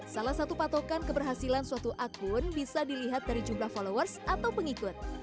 salah satu patokan keberhasilan suatu akun bisa dilihat dari jumlah followers atau pengikut